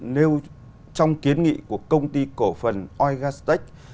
nếu trong kiến nghị của công ty cổ phần oil gas tech